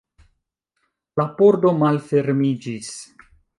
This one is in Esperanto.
La pordo malfermiĝis.